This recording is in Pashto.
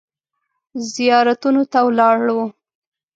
زیارتونو ته ولاړو.